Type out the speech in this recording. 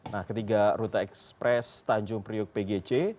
nah ketiga rute ekspres tanjung priuk pgc